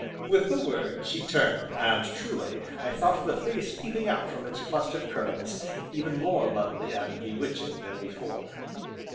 With the word, she turned, and truly, I thought the face peeping out from its clustered curls even more lovely and bewitching than before.